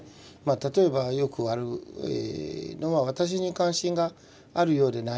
例えばよくあるのは私に関心があるようでない。